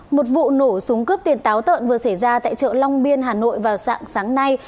một vụ nổ súng cướp tiền táo tợn vừa xảy ra tại chợ long biên hà nội vào sáng sáng nay